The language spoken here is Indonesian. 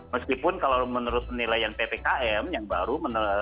meskipun kalau menurut penilaian ppkm yang baru